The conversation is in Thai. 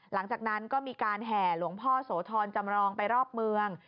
หลังจากนั้นก็มีการแห่หลวงพ่อโสธรจำรองไปรอบเมือง